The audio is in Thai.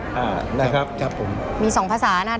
มี๒ภาษานะทั้งภาษาไทยแล้วก็ภาษาอังกฤษด้วย